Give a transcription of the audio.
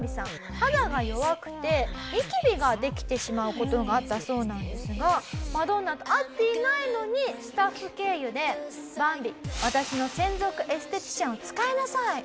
肌が弱くてニキビができてしまう事があったそうなんですがマドンナと会っていないのにスタッフ経由で「バンビ私の専属エステティシャンを使いなさい」。